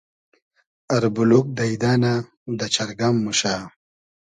اربولوگ دݷدۂ نۂ , دۂ چئرگئم موشۂ